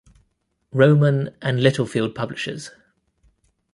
Rowman and Littlefield Publishers.